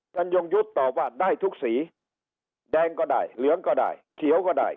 ยงยุทธ์ตอบว่าได้ทุกสีแดงก็ได้เหลืองก็ได้เขียวก็ได้